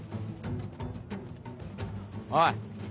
おい！